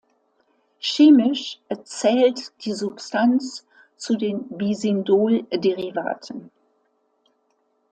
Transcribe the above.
Chemisch zählt die Substanz zu den Bisindol-Derivaten.